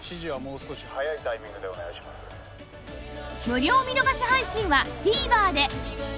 無料見逃し配信は ＴＶｅｒ で